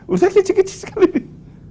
udah kecil kecil sekali ini